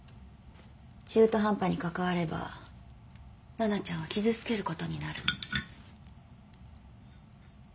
中途半端に関われば奈々ちゃんを傷つけることになる。